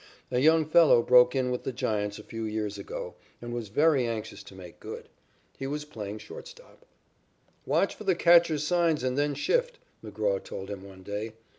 A young fellow broke in with the Giants a few years ago and was very anxious to make good. He was playing shortstop. "Watch for the catcher's signs and then shift," McGraw told him one day.